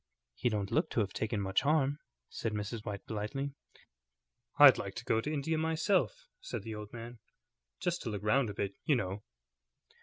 "He don't look to have taken much harm," said Mrs. White, politely. "I'd like to go to India myself," said the old man, "just to look round a bit, you know."